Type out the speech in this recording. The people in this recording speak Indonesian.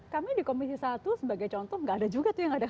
kami di komisi satu sebagai contoh gak ada juga